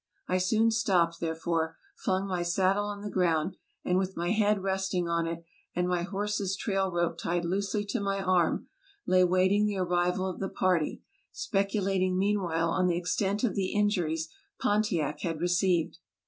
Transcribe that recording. I soon stopped, there fore, flung my saddle on the ground, and with my head resting on it, and my horse's trail rope tied loosely to my arm, lay waiting the arrival of the party, speculating mean while on the extent of the injuries Pontiac had received.